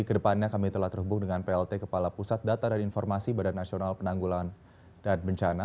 kedepannya kami telah terhubung dengan plt kepala pusat data dan informasi badan nasional penanggulan dan bencana